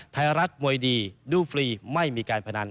ไทยรัฐมวยดีดูฟรีไม่มีการพนัน